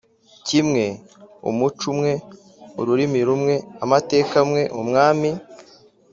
kimwe umuco umwe ururimi rumwe amateka amwe umwami